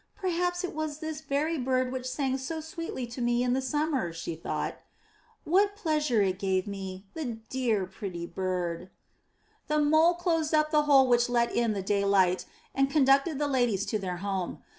'Terhaps it was this very bird which sang so sweetly to me in the summer,'' she thought; ''what pleasure it gave me, the dear, pretty bird." 422 UP ONE PAIR OF STAIRS The Mole now closed up the hole which let in the daylight and conducted the ladies to their home.